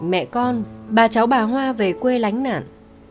mẹ con bà cháu bà hoa về quê lánh nạn